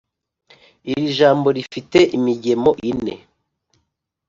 iri jambo rifite imigemo ine.